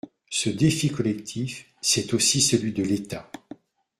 Ce défi collectif, c’est aussi celui de l’État.